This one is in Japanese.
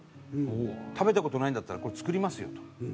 「食べた事ないんだったら作りますよ」と。